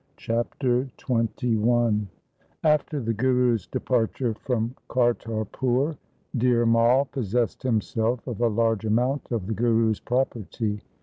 Chapter XXI After the Guru's departure from Kartarpur, Dhir Mai possessed himself of a large amount of the Guru's property.